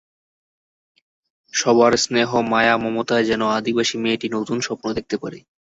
সবার স্নেহ মায়া মমতায় যেন আদিবাসী মেয়েটি নতুন স্বপ্ন দেখতে পারে।